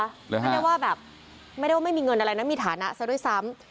ไม่ได้ว่าแบบไม่ได้ว่าไม่มีเงินอะไรนะมีฐานะซะด้วยซ้ำ